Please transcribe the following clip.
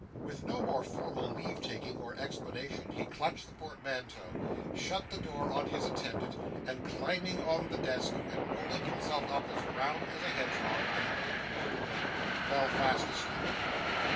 With no more formal leave taking or explanation, he clutched the portmanteau, shut the door on his attendant, and climbing on the desk, and rolling himself up as round as a hedgehog, in an old boat cloak, fell fast asleep.